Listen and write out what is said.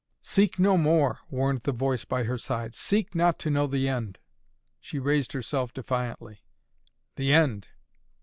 "Seek no more!" warned the voice by her side. "Seek not to know the end!" She raised herself defiantly. "The end!"